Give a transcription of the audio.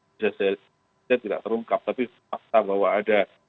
bisa tidak terungkap tapi fakta bahwa ada